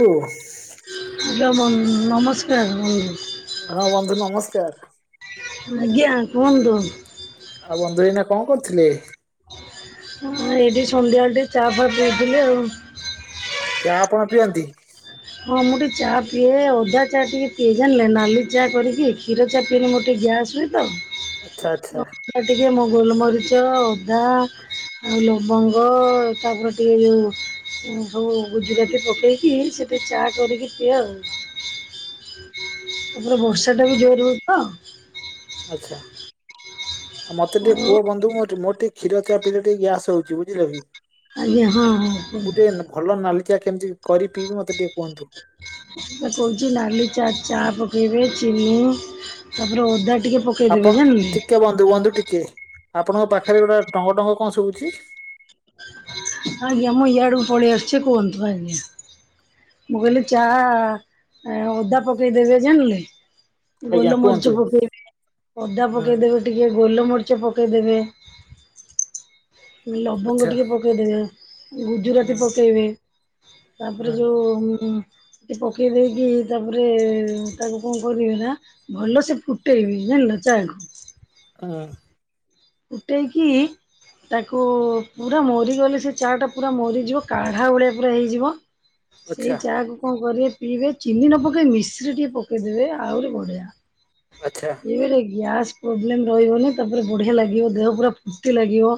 କୁ ନମସ୍କାର। ହଁ ବନ୍ଧୁ ନମସ୍କାର। ଆଜ୍ଞା କୁହନ୍ତୁ। ଆଉ ବନ୍ଧୁ ଏଇନା କଣ କରୁଥିଲେ? ହ ଏଇଠି ସନ୍ଧ୍ୟାବେଳେ ଟିକେ ଚା ଫା ପିଉଥିଲୁ ଆଉ। ଚା ଆପଣ ପିଅନ୍ତି? ହଁ ମୁଁ ଟିକେ ଚା ପିଏ ଅଦା ଚା ଟିକେ ପିଇ ଜାଣିଲେ ନାଲି ଚା କରିକି କ୍ଷୀର ଚାପିନେ ଗୋଟେ ଗ୍ୟାସ୍ ହୁଏ ତ ଆଛା ଆଚ୍ଛା। ସେ ଟିକିେ ମୁଁ ଗୋଲ ମରିଚ ଓଦା ଆଉ ଲବଙ୍ଗ ତାପରେ ଟିକେ ଯଉ ସଉ ଗୁଜୁରାଟି ପକେଇକି ଟିକେ ଚା କରିକି ପିଏ ଆଉ ତାପରେ ବର୍ଷାଟା ବି ଜୋର ହେଉଛି ତ ଆଚ୍ଛା ଆଉ ମତେ ଟିକେ କୁହ ଆଉ ବନ୍ଧୁ ମୋର ଟିକେ କ୍ଷୀର ଚା ପିଇଲେ ଟିକେ ଗ୍ୟାସ ହଉଛି ବୁଝିଲକି ଆଜ୍ଞା ହଁ ହଁ କୁହ। ମୁଁ ଟିକେ ଭଲ ନାଲି ଚା କେମିତି କରି ପିଇବି ମତେ ଟିକେ କୁହନ୍ତୁ। କହୁଛି ନାଲି ଚା ଚା ପକେଇବେ ଚିନି ତାପରେ ଅଦା ଟିକେ ପକେଇଦେବେ ଆପଣ ଜାଣିଲେ ଟିକେ ବନ୍ଧୁ ବନ୍ଧୁ ଟିକେ ଆପଣଙ୍କ ପାଖରେ ଗୋଟେ ଟଙ୍ଗ ଟଙ୍ଗ କଣ ଶୁଭୁଚି? ଆଜ୍ଞ ମୁଁ ଏଆଡକୁ ପାଲେଇଆସୁଚି କୁହନ୍ତୁ ଆଜ୍ଞା ମୁଁ କହିଲି ଚାହା ଆ ଓଦା ପକେଇଦେବେ ଜଣିଲେ ଆଜ୍ଞା କୁହନ୍ତୁ ଗୋଲମରିଚ ପକେଇବେ ଅଦା ହୁଁ ପକେଇଦବେ ଟିକେ ଗୋଲମରିଚ ପକାଇଦେବେ ଆଚ୍ଛା ଲବଙ୍ଗ ଟିକେ ପକାଇଦେବେ। ହୁଁ ଗୁଜୁରାତି ପକେଇବେ ତାପରେ ହୁଁ ଯଉ ସେଠି ପକାଇ ଦେଇକି ତାପରେ ତାକୁ କଣ କରିବେ ନା ଭଲ ସେ ଫୁଟେଇବି ଜାଣିଲ ଚାକୁ ହୁଁ। ଫୁଟେଇକି ତାକୁ ପୁରା ମରିଗଲେ ସେ ଚା ଟା ପୁରା ମରିଯିବ କାଢ଼ା ଭଳିଆ ପୁରା ହେଇଯିବ ସେଇ ଆଚ୍ଛା ଚା କୁ କଣ କରିବେ ପିଇବେ ଚିନି ନ ପକେଇ ମିଶ୍ରି ଟିକେ ପକେଇଦେବେ ଆହୁରି ବଢିଆ। ଆଚ୍ଛା। ଏବେ ଗ୍ୟାସ୍ ପ୍ରୋବ୍ଲେମ୍ ରହିବନି ତାପରେ ବଢ଼ିଆ ଲାଗିବ ଦେହ ପୁରା ଫୁର୍ତ୍ତି ଲାଗିବ।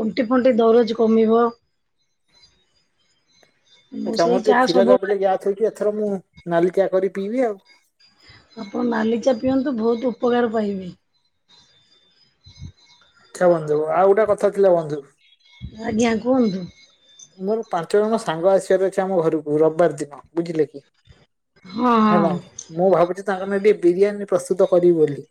ତଣ୍ଟି ଫଣ୍ଟି ଦରଜ କମିବ। ମୁଁ ଆଚ୍ଛା ସେଇ ମୋର ଚା ଟିକେ କ୍ଷୀର ଗାଡିଲେ ସବୁବେଳେ ଗ୍ୟାସଥଇଛି ଏଥର ମୁଁ ନାଲଲିିକଆ କରି ପିଇବି ଆଉ। ଆପଣ ନାଲିଚା ପିଅନ୍ତୁ ବହୁତ ଉପକାର ପାଇବେ। ଆଖ ବନ୍ଧୁ ଆଉ ଗୋଟେ କଥା ଥିଲା ବନ୍ଧୁ। ଆଜ୍ଞା କୁହନ୍ତୁ। ମୋର ପାଞ୍ଚ ଜଣ ସାଙ୍ଗ ଆସିବାର ଅଛି ଆମ ଘରକୁ ରବିବାର ଦିନ ବୁଝିଲେ କି। ହଁ ହଁ ହେଲା ମୁଁ ଭାବୁଛି ତାଙ୍କର ଟିକେ ବିରିୟାନୀ ପ୍ରସ୍ତୁତ କରିବି ବୋଲି।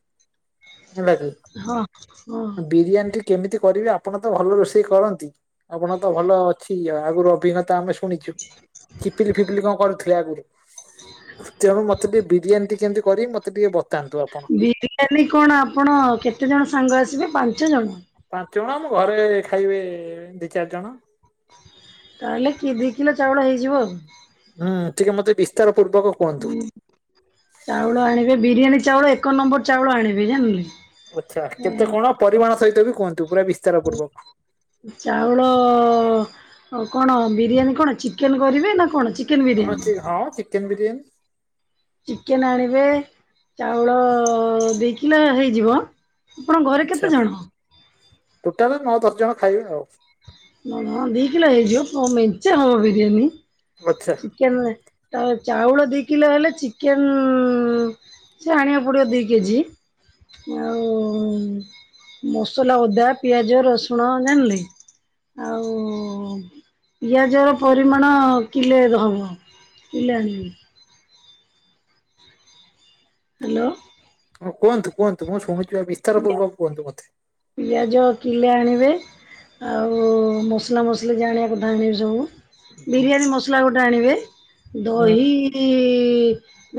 ହେଲା କି ହଁ ହଁ ବିରିୟାନୀ ଟ କେମିତି କରିବେ ଆପଣ ତ ଭଲ ରୋଷେଇ କରନ୍ତି ଆପଣ ତ ଭଲ ଅଛି ଆଗରୁ ଅଭିଜ୍ଞତା ତ ଆମେ ଶୁଣିଛୁ ଚିପିଲି ଫିପିଲି କଣ କରୁଥିଲେ ଆଗରୁ ତେଣୁ ମତେ ଟିକେ ବିରିଆନି ଟି କେମିତି କରିବି ମତେ ଟିକେ ବ ବିରିୟାନୀ କଣ ଆପଣ କେତେ ଜଣ ସାଙ୍ଗ ଆସିବେ ପାଞ୍ଚ ଜଣ ପାଞ୍ଚ ଜଣ ଆମ ଘରେ ଖାଇବେ ଦି ଚାରି ଜଣ। ତାହେଲେ କି ଦୁଇ କିଲୋ ଚାଉଳ ହେଇଯିବ ଆଉ ହୁଁ ଟିକେ ମତେ ବିସ୍ତାର ପୂର୍ବକ କୁହନ୍ତୁ। ଚାଉଳ ଆଣିବେ ବିରିୟାନୀ ଚାଉଳ ଏକ ନମ୍ବର ଚାଉଳ ଆଣିବେ ଜାଣିଲେ ଆଛା କେତେ କଣ ପରିମାଣ ସହିତ ବି କୁହନ୍ତୁ ପୁରା ବିସ୍ତାର ପୂର୍ବକ। ଚାଉଳ କଣ ବିରିୟାନୀ କଣ ଚିକେନ୍ କରିବେ ନା କଣ ଚିକେନ ହ ବିରିୟାନୀ? ଚି ହଁ ଚିକେନ ବିରିୟାନୀ ଚିକେନ ଆଣିବେ ଚାଉଳ ଦି କିଲ ହେଇଯିବ। ଆପଣ ଘରେ କେତେ ଆଛା ଜଣ? ଟୋଟାଲ ନଅ ଦଶ ଜଣ ଖାଇବେ ଆଉ। ନ ଦିଇ କିଲୋ ହେଇଯିବ ଆ ମେଞ୍ଚ ହବ ବିରିୟାନୀ। ଆଛା। କେମିତି ଚା-ଚାଉଳ ଦି କିଲୋ ହେଲେ ଚିକେନ୍ ଉଁ। ସେ ଆଣିବା ପଡ଼ିବ ଦି କେଜି। ଆଉ ମସଲା ଅଦା ପିଆଜ ରସୁଣ ଜାଣିଲେ। ଆଉ ପିଆଜର ପରିମାଣ କିଲେ ହବ। [unintelligible] ହ୍ୟାଲୋ। ହଁ କୁହନ୍ତୁ କୁହନ୍ତୁ ମୁଁ ଶୁଣୁଛି ବା ବିସ୍ତାର ପିଆ ପୂର୍ବ କୁହନ୍ତୁ ମୋତେ। ପିଆଜ କିଲେ ଆଣିବେ। ଆଉ ମସଲା ମସଲି ଯାହା ଆଣିବା କଥା ଆଣିବେ ସବୁ। ବିରିୟାନୀ ମସଲା ଗୋଟେ ଆଣିବେ ହୁଁ ଦହି ତି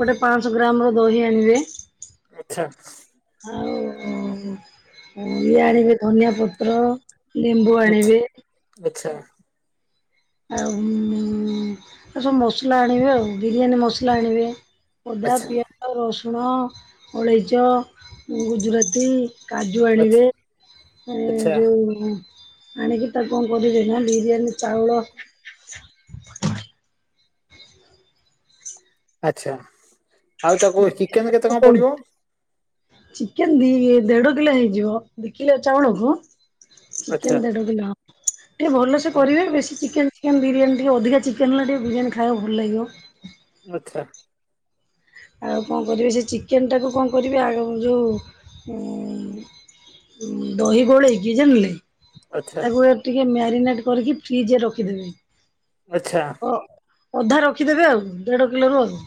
ଗୋଟେ ପାଞ୍ଚଶହ ଗ୍ରାମର ଦହି ଆଣିବେ। ଆଛା। ଆଉ ଇଏ ଆଣିବେ ଧନିଆ ପତ୍ର। ଲେମ୍ବୁ ଆଣିବେ। ଆଛା। ଆଉ ଆଉ ସବୁ ମସଲା ଆଣିବେ ଆଉ ବିରିୟାନୀ ମସଲା ଆଣିବେ। ଅଦା ଆଚ୍ଛା ପିଆଜ ରସୁଣ ଅଳେଇଚ ଗୁଜୁରାତି। କାଜୁ ଆଣିବେ ଆଚ୍ଛା ଉଁ ଆଚ୍ଛା ଯୋଉ ଆଣିକି ତାକୁ କଣ କରିବେ ନା ବିରିୟାନୀ ଚାଉଳ ଆଛା ଆଉ ତାକୁ ଇ କୋଉଠି ଚିକେନ ଦି ଦେଢ କିଲୋ ହେଇଯିବ ଦି କିଲୋ ଚାଉଳକୁ ଆଚ୍ଛା ଚିକେନ ଦେଢ କିଲୋ ଟିକେ ଭଲସେ ହୁଁ କରିବେ ବେଶୀ ଚିକେନ କେନ ବିରିୟାନ ଟିକେ ଅଧିକ ଚେନେଲା ଟେ ବିରିୟାନ ଖାଇବାକୁ ଭଲ ଲାଗିବ। ଆଚ୍ଛା। ଆଉ କଣ କରିବି ସେ ଚିକେନଟାକୁ କଣ କରିବେ ଆଗ ଯଉ ଉଁ ଦହି ଗୋଳେଇକି ଜଣିଲେ ଆଚ୍ଛା ତାକୁ ଟିକେ ମ୍ୟାରିନେଟ କରିକି ଫ୍ରିଜରେ ରଖିଦେବେ। ଆଚ୍ଛା। ଅ ଅଧା ରଖିଦେବେ ଆଉ ଦେଢ କିଲୋରୁ ଆଉ।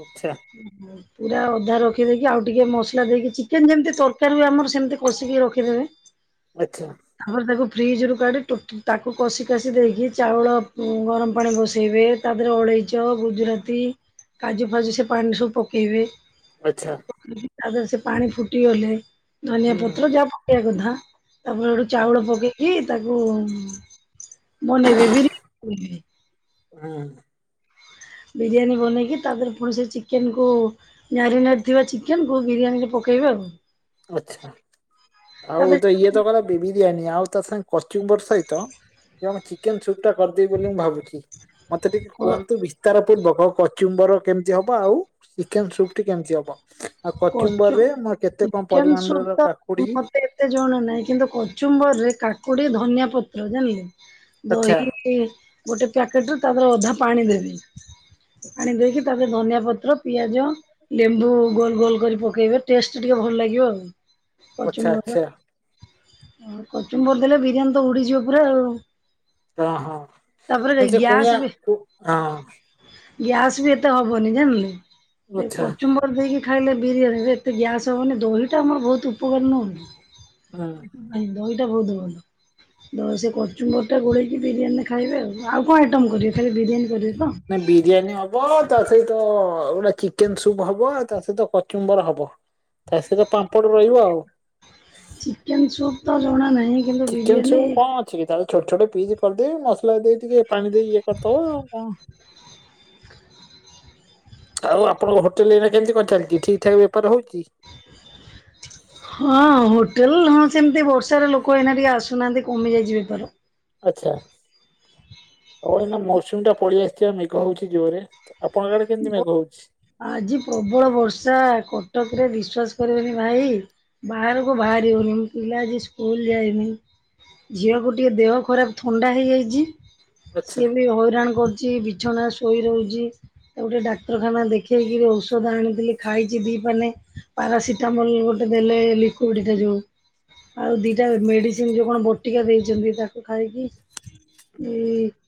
ଆଚ୍ଛା। ହୁଁ ହୁଁ। ପୁରା ଅଧା ରଖି ଦେଇକି ଆଉ ଟିକେ ମସଲା ଦେଇକି ଚିକେନ ଯେମିତି ତରକାରୀ ବି ଆମର ସେମିତି କଷିକି ରଖିଦେବେ। [inaudible] ଆଚ୍ଛା। ତାପରେ ତାକୁ ଫ୍ରିଜରୁ କାଢି ଟୁ ତାକୁ କଷି କଷି ଦେଇକି ଚାଉଳ ଉଁ ଗରମ ପାଣି ବସେଇବେ। ତା ଦେହରେ ଅଳେଇଚ ଗୁଜୁରାତି କାଜୁ ଫାଜୁ ସେ ପାଣିରେ ସବୁ ପକେଇବେ। ଆଚ୍ଛା। ତାପରେ ସେ ପାଣି ଫୁଟିଗଲେ ଧନିଆ ହୁଁ ପତ୍ର ଯାହା ପକେଇବା କଥା। ତାପରେ ଗୋଟେ ଚାଉଳ ହୁଁ ପକେଇକି ତାକୁ ବନେଇବେ ବି [unintelligible] ଉଁହୁଁ। ବିରିୟାନୀ ବନେଇକି ତାକୁ ପୁଣି ସେଇ ଚିକେନକୁ ମ୍ୟାରିନେଟ୍ ଥିବା ଚିକେନକୁ ବିରିୟାନୀ ରେ ପକେଇବେ ଆଉ। ଆଛା ଆଉ ଏ ତାପରେ ତ ଇଏ ତ କଲେ ବିରିୟାନୀ ଆଉ ତା ସାଙ୍ଗେ କଚ ବର୍ ସହିତ ଏଇ ଆମ ଚିକେନ ସୁପ୍ ଟା କରିଦେବି ବୋଲି ମୁଁ ଭାବୁଛି। ମତେ ଟିକେ କ କୁହନ୍ତୁ ବିସ୍ତାର ପୂର୍ବକ କଚୁମ୍ବର କେମିତି ହବ ଆଉ ଚିକେନ ସୁପ୍ ଟି କେମିତି ହବ? ଆଉ କଚିମ୍ବର କଚୁ ରେ ମୋର କେତେ କଣ ଚିକେନ ସୁପ୍ ପରିମାଣର ତ କାକୁଡି [unintelligible] ଏତେ ଜଣ ନାହିଁ କିନ୍ତୁ କଚୁମ୍ବର ରେ କାକୁଡି, ଧନିଆ ପତ୍ର ଜାଣିଲେ। ଆଚ୍ଛା ଦହି ଗୋଟେ ପ୍ୟାକେଟରେ ତାପରେ ଅଧା ପାଣି ଦେବି। ପାଣି ଦେଇକି ତାପରେ ଧନିଆ ପତ୍ର, ପିଆଜ, ଲେମ୍ବୁ ଗୋଲ ଗୋଲ କରି ପକେଇବେ ଟେଷ୍ଟ ଟିକେ ଭଲ ଲାଗିବ ଆଉ ଆଚ୍ଛା କଚୁମ୍ବରର। ଆଚ୍ଛା ଆଉ କଚୁମ୍ବର ଦେଲେ ବିରିୟାନୀ ତ ଉଡ଼ିଯିବ ପୁରା ଆଉ। ତ ହଁ, ଆ ତାପରେ ସେ କୁଣିଆ ବି କୁ, ହଁ। ଗ୍ୟାସ ବି ଏତେ ହବନି ଜାଣିଲେ, ସେ ଆଚ୍ଛା କଚୁମ୍ବର ଦେଇକି ଖାଇଲେ ବିରିୟାନୀରେ ଏତେ ଗ୍ୟାସ୍ ହବନି ଦହିଟା ଆମର ବହୁତ ଉପକାର ନୁହଁ କି। ହୁଁ। ଏଇ ଦହିଟା ବହୁତ ଭଲ। ତ ସେ କଚୁମ୍ବରଟା ଗୋଳେଇକି ବିରିୟାନୀରେ ଖାଇବେ ଆଉ, ଆଉ କ'ଣ ଆଇଟମ୍ କରିବେ? ଖାଲି ବିରିୟାନୀ କରିବେ ତ? ନାଇଁ ବିରିୟାନୀ ଆଉ ହବ ତା ସହିତ ଗୋଟେ ଚିକେନ ସୁପ୍ ହବ ଆଉ ତା ସହିତ କଚୁମ୍ବର ହବ। ତା ସହିତ ପାମ୍ପଡ ରହିବ ଆଉ। ଚିକେନ ସୁପ୍ ତ ଜଣା ନାହିଁ। କିନ୍ତୁ ଚିକେନ ବିରିୟାନୀ ସବୁ କ'ଣ ଅଛି କି ତାକୁ ଛୋଟ ଛୋଟ ପିସ୍ କରିଦେବି ମସଲା ଦେଇ ଟିକେ ପାଣି ଦେଇ ଇଏ କରି ଦେବ କ'ଣ [inaudible] ଆଉ ଆପଣଙ୍କ ହୋଟେଲ ଏଇନା କେମତି କ'ଣ ଚାଲିଛି ଠିକ୍ ଠାକ୍ ବେପାର ହଉଛି? ହଁ, ହୋଟେଲ ହଁ ସେମିତି ବର୍ଷାରେ ଲୋକ ଏଇନା ଟିକେ ଆସୁନାହାନ୍ତି କମି ଯାଇଛି ବେପାର। ଆଛା ହଁ, ଏଇନା ମୌସୁମୀ ଟା ପଳେଇ ଆସିଥିବା ମେଘ ହଉଛି ଜୋରରେ। ତ ଆପଣଙ୍କ ଆଡେ କେମିତି ମେଘ ହଉଛି? ଆଜି ପ୍ରବଳ ବର୍ଷା କଟକରେ ବିଶ୍ୱାସ କରିବେନି ଭାଇ ବାହାରକୁ ବାହାରିି ହଉନି। ପିଲା ଆଜି ସ୍କୁଲ ଯାଇନି, ଝିଅକୁ ଟିକେ ଦେହ ଖରାପ ଥଣ୍ଡା ହେଇଯାଇଛି। ଆଚ୍ଛା ସିଏ ବି ହଇରାଣ କରୁଛି, ବିଛଣା ଶୋଇ ରହୁଛି। ତାକୁ ଟିକେ ଡାକ୍ତରଖାନା ଦେଖେଇକିରି ଔଷଧ ଆଣିଥିଲି ଖାଇଛି ଦିଇପାନେ। ପାରାସିଟାମଲ ଗୋଟେ ଦେଲେ ଲିକୁଇଡଟା ଯୋଉ। ଆଉ ଦୁଇଟା ମେଡ଼ିସିନ୍ ଯେଉଁ କ'ଣ ବଟିକା ଦେଇଛନ୍ତି ତାକୁ ଖାଇକି ହୁଁ।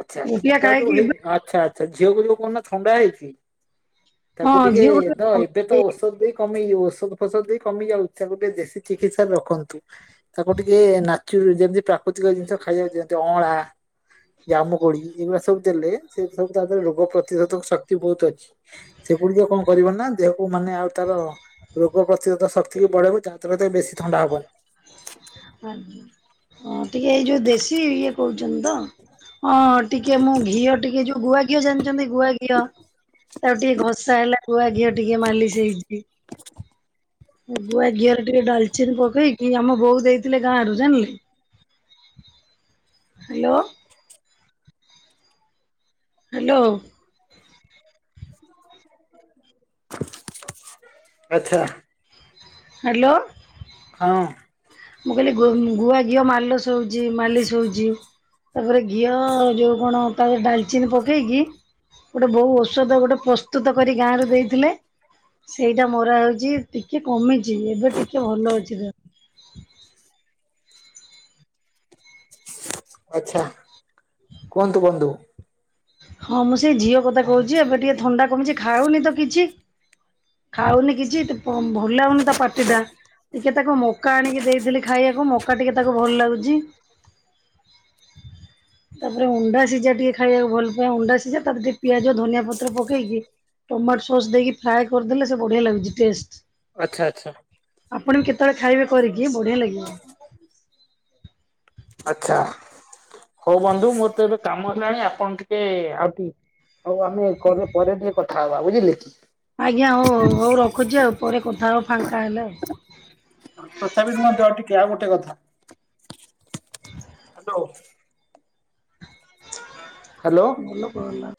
ଆଚ୍ଛା, ଆଚ୍ଛା, ଥଣ୍ଡା ତାକୁ ଖାଇକି ନେଇ ଏବେ ଆଚ୍ଛା ଆଚ୍ଛା ଝିଅକୁ ଯୋଉ କହୁନ ଥଣ୍ଡା ହେଇଛି ହଁ ତାକୁ ଟିକେ ଝିଅକୁ ତ ଏବେ ତ ଟିକେ ଔଷଧ ଦେଇ କମି ଯିବ ଔଷଧ ଫୌଷଧ ଦେଇ କମିଯାଉ ତାକୁ ଟିକେ ଦେଶୀ ଚିକିତ୍ସାରେ ରଖନ୍ତୁ। ତାକୁ ଟିକେ ନାଚୁ ଯେମିତି ପ୍ରାକୃତିକ ଜିନିଷ ଖାଇବାକୁ ଦିଅନ୍ତୁ ଅଁଳା ଜାମୁକୋଳି ଏଇ ଗୁଡା ସବୁ ଦେଲେ ସେ ସବୁ ତା ଧିରେ ରୋଗ ପ୍ରତିରୋଧକ ଶକ୍ତି ବହୁତ ଅଛି। ସେଗୁଡିକ କ'ଣ କରିବ ନା ଦେହକୁ ମାନେ ଆଉ ତାର ରୋଗ ପ୍ରତିରୋଧ ଶକ୍ତିକୁ ବଢେଇବ ଯା [inaudible] ବେଶୀ ଥଣ୍ଡା ହବନି। ଆଜ୍ଞା, ହଁ, ଟିକେ ଏଇ ଯୋଉ ଦେଶୀ ଇଏ କହୁଛନ୍ତି ତ। ହଁ, ଟିକେ ମୁଁ ଘିଅ ଟିକେ ଯୋଉ ଗୁଆ ଘିଅ ଜାଣିଛନ୍ତି ଗୁଆ ଘିଅ। ତାକୁ ଟିକେ ଘସା ହେଲା ଗୁଆ ଘିଅ ଟିକେ ମାଲିସ ହେଇଛି। ଗୁଆ ଘିଅରେ ଟିକେ ଡାଲଚିନ ପକେଇକି ଆମ ବୋଉ ଦେଇଥିଲେ ଗାଁରୁ ଜାଣିଲେ। Hello hello? ଆଚଛା। ହ୍ୟାଲୋ। ହଁ। ମୁଁ କହିଲି ଗୁଆ ଘିଅ ମାଲ ଶୋଉଛି ମାଲି ଶୋଉଛି। ତାପରେ ଘିଅ ଯୋଉ କଣ? ତାରେ ଡାଲଚିନି ପକେଇକି ଗୋଟେ ବୋ ଔଷଧ ଗୋଟେ ପ୍ରସ୍ତୁତ କର ଗାଁରୁ ଦେଇଥିଲେ ସେଇଟା ମୋରା ହେଉଛି ଟିକେ କମିଛି ଏବେ ଟିକେ ଭଲ ଅଛି ତ- ଆଛା କୁହନ୍ତୁ ବନ୍ଧୁ? ହଁ ମୁଁ ସେଇ ଝିଅ କଥା କହୁଛି ଏବେ ଟିକେ ଥଣ୍ଡା କମିଛି ଖାଉନି ତ କିଛି? ଖାଉନି କିଛି ଭଲ ଲାଗଉନି ତା ପାର୍ଟି ଟା ଟିକେ ତାକୁ ମକା ଆଣିକି ଦେଇଥିଲି ଖାଇବାକୁ ମକା ଟିକେ ତାକୁ ଭଲ ଲାଗୁଛି? ତାପରେ ଅଣ୍ଡା ସିଝା ଟିକେ ଖାଇବାକୁ ଭଲ ଅଣ୍ଡା ସିଝା ତା ଟିକେ ପିଆଜ ଧନିଆ ପତ୍ର ପକେଇକି ଟମାଟୋ ସସ୍ ଦେଇକି ଫ୍ରାଏ କରିଦେଲେ ସେ ବଢିଆ ଲାଗୁଛି ଟେଷ୍ଟ। ଆଚ୍ଛା ଆଚ୍ଛା। ଆପଣଙ୍କୁ କେତେବେଳେ ଖାଇବେ କରିକି ବଢିଆ ଲାଗିବ। ଆଚ୍ଛା ହଉ ବନ୍ଧୁ ମୋର ତ ଏବେ କାମ ହେଲାଣି ଆପଣ ଟିକେ ଆଉ ଆଉ ଆମେ ଘରେ ପରେ ଟିକେ କଥା ହବା ବୁଝିଲେ କି? ଆଜ୍ଞା ହଉ ହଉ ରଖୁଛି ଆଉ ଉପ କଥା ହେଉ ଫାଙ୍କା ହେଲେ ଆଉ। ତଥାପି ମଧ୍ୟ ଟିକେ ଆଉ ଗୋଟେ କଥା [inaudible] ହ୍ୟାଲୋ। ହ୍ୟାଲୋ। ଭଲ ପାଲା